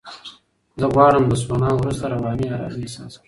زه غواړم له سونا وروسته رواني آرامۍ احساس کړم.